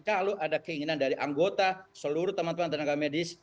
kalau ada keinginan dari anggota seluruh teman teman tenaga medis